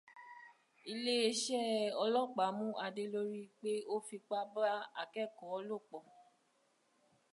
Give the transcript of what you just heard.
Iléeṣẹ ọlọpàá mú Adé lorí pé o fipá bá akẹkọọ lò pọ.